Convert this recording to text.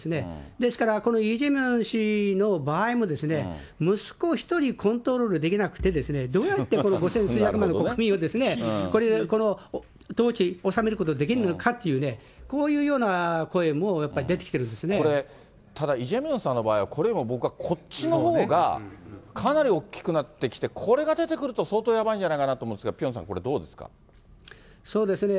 ですからこのイ・ジェミョン氏の場合もですね、息子１人コントロールできなくて、どうやってこの五千数百万の国民を統治、治めることができるのかっていうね、こういうような声もやっぱりこれ、ただ、イ・ジェミョンさんの場合は、これ今、僕はこっちのほうがかなり大きくなってきて、これが出てくると、相当やばいんじゃないかと思うんですが、ピョンさん、これ、どうそうですね。